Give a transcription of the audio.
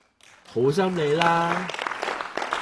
好心你啦